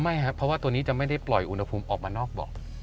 ไม่ครับเพราะว่าตัวนี้จะไม่ได้ปล่อยอุณหภูมิออกมานอกเบาะ